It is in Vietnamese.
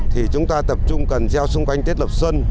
thì chúng ta tập trung cần gieo xung quanh tết lập xuân